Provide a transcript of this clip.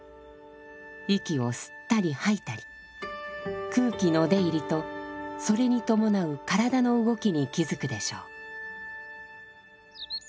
息を吸ったり吐いたり空気の出入りとそれに伴う体の動きに気づくでしょう。